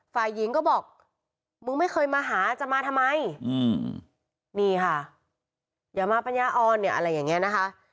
ฝ่ายหญิงก็บอกมึงไม่เคยมาหาจะมาทำไมนี่ค่ะอย่ามาปัญญาออนเนี่ยอะไรอย่างนี้นะคะ